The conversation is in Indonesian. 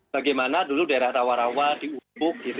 bagaimana dulu daerah rawarawa diuruk